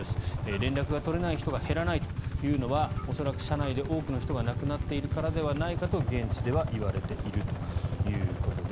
連絡が取れない人が減らないというのは恐らく、車内で多くの人が亡くなっているからではないかと現地では言われていると。